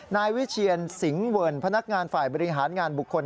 นายวิเชียนสิงห์เวิร์นพนักงานฝ่ายบริหารงานบุคคล